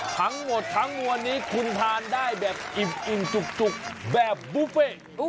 ทั้งหมดทั้งมวลนี้คุณทานได้แบบอิ่มจุกแบบบุฟเฟ่